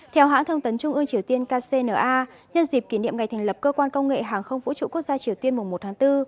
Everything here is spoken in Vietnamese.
theo hãng thông tấn trung ương triều tiên kcna nhân dịp kỷ niệm ngày thành lập cơ quan công nghệ hàng không vũ trụ quốc gia triều tiên mùa một tháng bốn